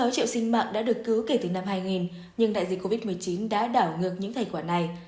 sáu triệu sinh mạng đã được cứu kể từ năm hai nghìn nhưng đại dịch covid một mươi chín đã đảo ngược những thành quả này